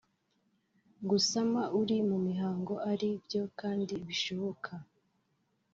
gusama uri mu mihango ari byo kandi bishoboka